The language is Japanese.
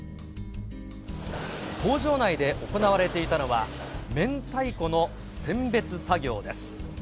工場内で行われていたのは、めんたいこの選別作業です。